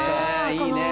いいね。